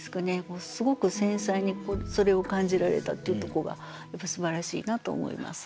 すごく繊細にそれを感じられたっていうとこがすばらしいなと思います。